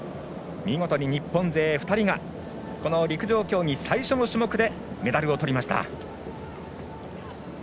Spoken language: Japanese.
見事に日本勢２人が陸上競技最初の種目でメダルをとりました。